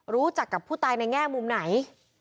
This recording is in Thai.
รู้จักกับผู้ตายในแง่มุมไหน